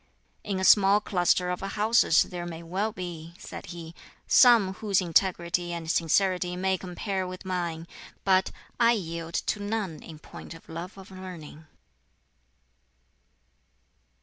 "In a small cluster of houses there may well be," said he, "some whose integrity and sincerity may compare with mine; but I yield to none in point of love of learning."